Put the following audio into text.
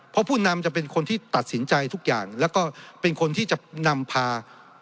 เพราะผู้นำจะเป็นคนที่ตัดสินใจทุกอย่างแล้วก็เป็นคนที่จะนำพา